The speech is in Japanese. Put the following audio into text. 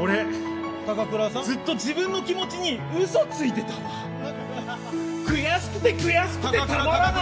俺、ずっと、自分の気持ちにずっと嘘ついてたんだ悔しくて悔しくてたまらない！